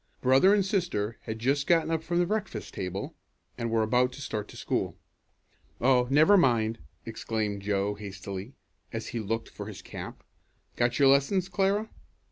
Brother and sister had just gotten up from the breakfast table, and were about to start to school. "Oh, never mind!" exclaimed Joe hastily, as he looked for his cap. "Got your lessons, Clara?"